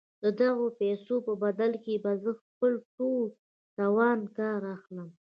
د دغو پيسو په بدل کې به زه له خپل ټول توانه کار اخلم.